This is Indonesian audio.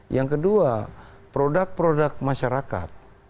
yang kedua produk produk masyarakat